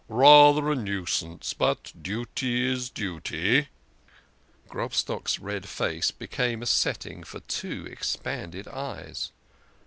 " Rather a nuisance but duty is duty." Grobstock's red face became a setting for two expanded eyes.